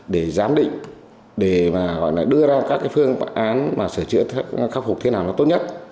để giám định để mà gọi là đưa ra các phương án mà sửa chữa khắc phục thế nào nó tốt nhất